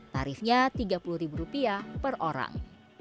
tarifnya tiga puluh rupiah per orang